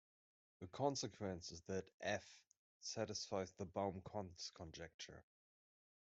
A consequence is that "F" satisfies the Baum-Connes conjecture.